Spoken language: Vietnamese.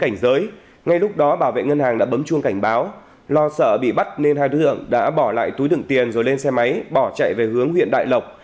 khi lúc đó bảo vệ ngân hàng đã bấm chuông cảnh báo lo sợ bị bắt nên hai đối tượng đã bỏ lại túi đựng tiền rồi lên xe máy bỏ chạy về hướng huyện đại lộc